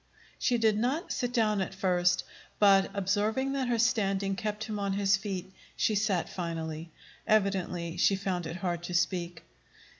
She did not sit down at first; but, observing that her standing kept him on his feet, she sat finally. Evidently she found it hard to speak.